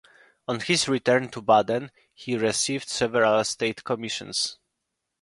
On his return to Baden, he received several state commissions.